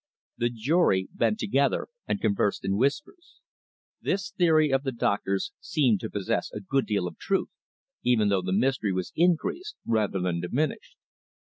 The jury bent together and conversed in whispers. This theory of the doctor's seemed to possess a good deal of truth, even though the mystery was increased rather than diminished.